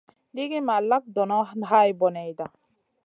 Nigi ma lak donoʼ hay boneyda.